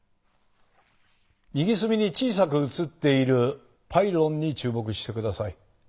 右隅に小さく映っているパイロンに注目してください。